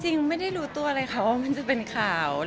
จริงไม่ได้รู้ตัวเลยค่ะว่ามันจะเป็นข่าว